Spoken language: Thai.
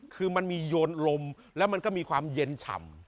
คือมันมีโยนลมแล้วมันก็มีความเย็นฉ่ำ